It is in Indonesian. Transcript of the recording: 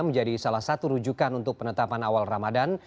menjadi salah satu rujukan untuk penetapan awal ramadan